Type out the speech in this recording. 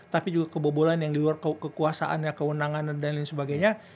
tapi juga kebobolan yang di luar kekuasaannya kewenangan dan lain sebagainya